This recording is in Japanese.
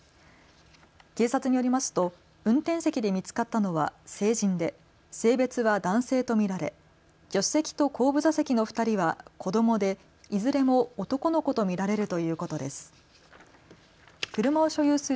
警察によりますと運転席で見つかったのは成人で性別は男性と見られ助手席と後部座席の２人は子どもでいずれも男の子と見られるということです。